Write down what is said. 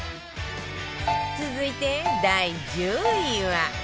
続いて第１０位は